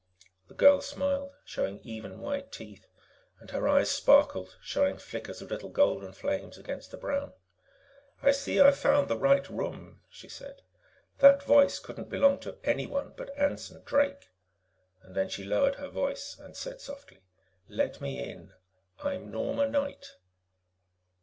The girl smiled, showing even, white teeth, and her eyes sparkled, showing flickers of little golden flames against the brown. "I see I've found the right room," she said. "That voice couldn't belong to anyone but Anson Drake." Then she lowered her voice and said softly: "Let me in. I'm Norma Knight."